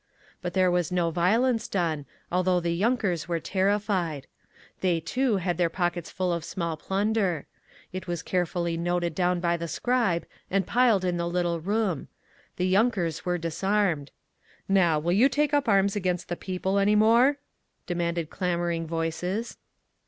But there was no violence done, although the yunkers were terrified. They too had their pockets full of small plunder. It was carefully noted down by the scribe, and piled in the little room…. The yunkers were disarmed. "Now, will you take up arms against the People any more?" demanded clamouring voices.